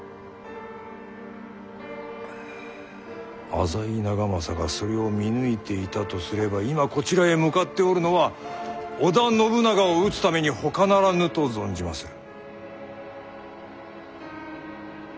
浅井長政がそれを見抜いていたとすれば今こちらへ向かっておるのは織田信長を討つためにほかならぬと存じまする。